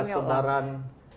sekarang kan ya